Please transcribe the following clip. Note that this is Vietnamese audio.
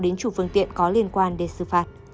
đến chủ phương tiện có liên quan để xử phạt